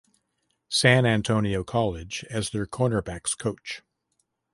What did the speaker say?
San Antonio College as their cornerbacks coach.